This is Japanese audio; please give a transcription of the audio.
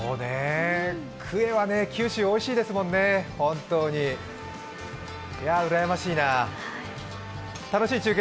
クエは九州、おいしいですもんね、本当にうらやましいなぁ。